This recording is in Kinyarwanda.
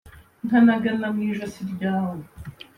Nkanagana mwi ijosi ryawe